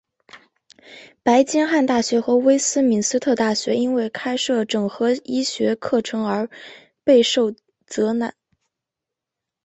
白金汉大学和威斯敏斯特大学因为开设整合医学课程而备受责难。